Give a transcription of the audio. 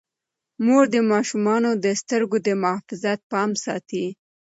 مور د ماشومانو د سترګو د محافظت پام ساتي.